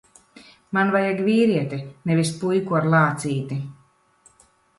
Man vajag vīrieti, nevis puiku ar lācīti.